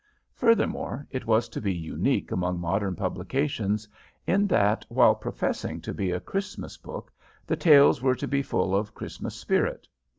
Furthermore, it was to be unique among modern publications in that, while professing to be a Christmas book, the tales were to be full of Christmas spirit.